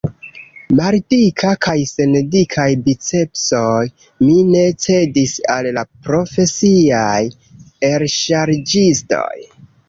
Maldika, kaj sen dikaj bicepsoj, mi ne cedis al la profesiaj elŝarĝistoj.